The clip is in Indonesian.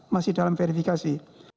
masih dalam verifikasi